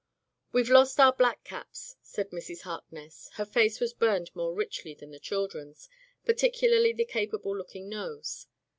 *'WeVe lost our blackcaps,'* said Mrs. Harkness. Her face was burned more richly than the children's, particularly the capable looking nose.